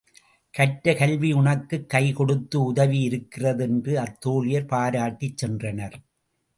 கற்ற கல்வி உனக்குக் கை கொடுத்து உதவி இருக்கிறது என்று அத்தோழியர் பாராட்டிச் சென்றனர்.